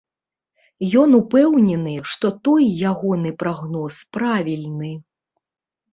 Ён упэўнены, што той ягоны прагноз правільны.